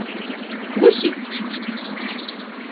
Klusit!